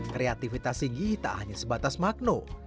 kreativitas singgi tak hanya sebatas magno